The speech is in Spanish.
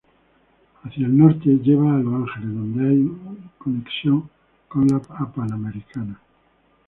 Hacía el Norte lleva a Los Ángeles, donde hay conexión con la Panamericana.